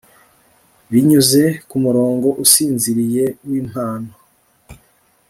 binyuze kumurongo usinziriye wimpano